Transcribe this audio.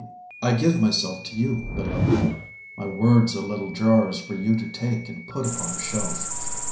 I give myself to you, Beloved! My words are little jars For you to take and put upon a shelf.